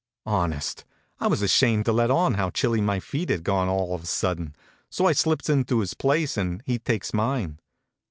" Honest, I was ashamed to let on how chilly my feet had gone all of a sudden; so I slips into his place and he takes mine.